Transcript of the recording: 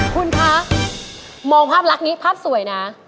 คุณคะมองภาพลักษณ์นี้ภาพสวยนะ